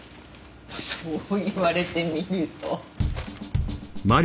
そう言われてみると。